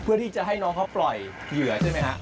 เพื่อที่จะให้น้องเขาปล่อยเหยื่อใช่ไหมฮะ